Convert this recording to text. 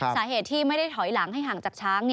สาเหตุที่ไม่ได้ถอยหลังให้ห่างจากช้าง